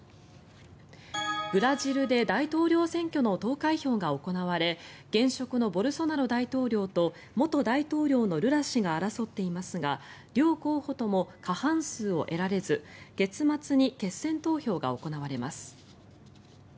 ブラジルで大統領選挙の投開票が行われ現職のボルソナロ大統領と元大統領のルラ氏が争っていますが両候補とも過半数を得られず月末に決選投票が行われます。